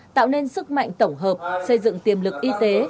tạo nên sức mạnh tổng hợp xây dựng tiềm lực y tế